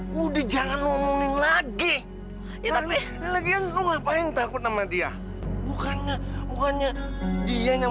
gue udah jangan omongin lagi iya tapi lagi usar pain takut sama dia bukannya bukannya di nyamuin sudah